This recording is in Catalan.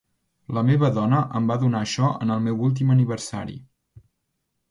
La meva dona em va donar això en el meu últim aniversari.